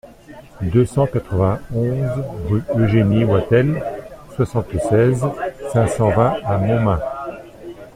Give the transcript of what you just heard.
deux cent quatre-vingt-onze rue Eugénie Watteel, soixante-seize, cinq cent vingt à Montmain